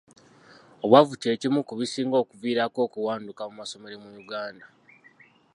Obwavu kye kimu ku bisinga okuviirako okuwanduka mu ssomero mu Uganda.